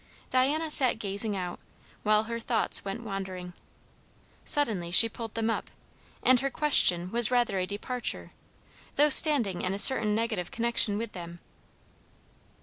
Diana sat gazing out, while her thoughts went wandering. Suddenly she pulled them up; and her question was rather a departure, though standing in a certain negative connection with them.